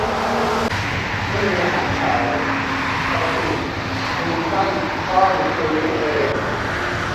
จะไม่มีอาหารขาย ปกติบินสั้นต้องซื้อเอง